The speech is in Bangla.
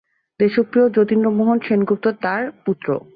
দেশপ্রিয় যতীন্দ্রমোহন সেনগুপ্ত তার পুত্র।